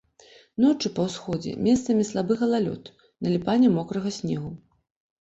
Ноччу па ўсходзе месцамі слабы галалёд, наліпанне мокрага снегу.